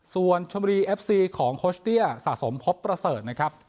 ส่วนชมบุรีเอฟซีของโคชเตี้ยสะสมพบประเสริฐนะครับ